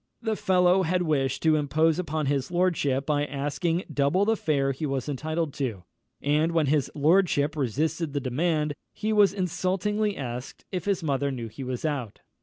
The fellow had wished to impose upon his lordship by asking double the fare he was entitled to; and when his lordship resisted the demand, he was insultingly asked "if his mother knew he was out?"